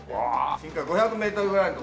深海５００メートルぐらいの所で。